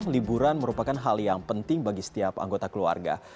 liburan merupakan hal yang penting bagi setiap anggota keluarga